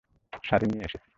শাড়ি নিয়ে এসেছি।